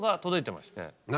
何？